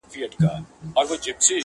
زه یې وینم دوی لګیا دي په دامونو -